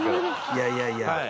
いやいやいやいや。